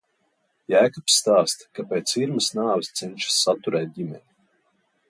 Jēkabs stāsta, kā pēc Irmas nāves cenšas saturēt ģimeni.